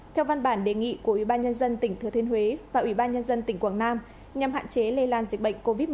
theo văn bản đề nghị của ủy ban nhân dân tỉnh thừa thiên huế và ủy ban nhân dân tỉnh quảng nam nhằm hạn chế lây lan dịch bệnh covid một mươi chín